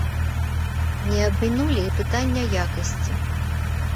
Не абмінулі і пытання якасці.